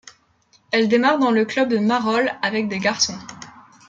Elle démarre dans le club de Marolles avec des garçons.